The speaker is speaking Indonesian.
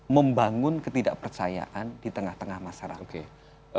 membangun ketidakpercayaan di tengah tengah masyarakat